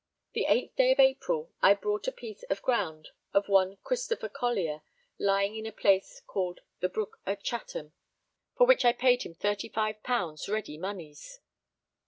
The 8th day of April, I bought a piece of ground of one Christopher Collier, lying in a place called the Brook at Chatham, for which I paid him 35_l._ ready moneys.